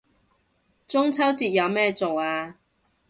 中秋節有咩做啊